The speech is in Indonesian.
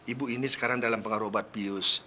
ibu ini sekarang dalam pengaruh obat bius